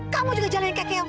kamu juga jangan kayak kain